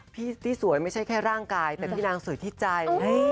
ที่สวยไม่ใช่แค่ร่างกายแต่พี่นางสวยที่ใจ